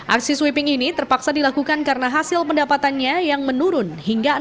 aksi sweeping ini terpaksa dilakukan karena hasil pendapatannya yang menurun hingga enam puluh